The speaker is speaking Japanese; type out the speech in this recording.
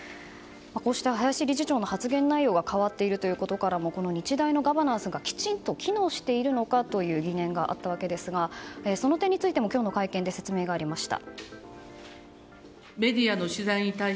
こうした林理事長の発言内容が変わっていることからも日大のガバナンスがきちんと機能しているのかという疑問があるんですがその点についても今日の会見で説明がありました。